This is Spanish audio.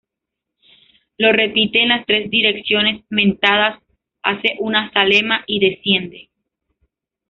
lo repite en las tres direcciones mentadas, hace una zalema y desciende